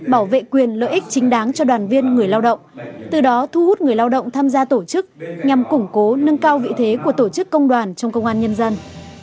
bảo vệ quyền lợi ích chính đáng cho đoàn viên người lao động từ đó thu hút người lao động tham gia tổ chức nhằm củng cố nâng cao vị thế của tổ chức công đoàn trong công an nhân dân